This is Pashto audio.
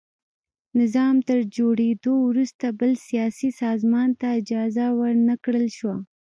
نظام تر جوړېدو وروسته بل سیاسي سازمان ته اجازه ور نه کړل شوه.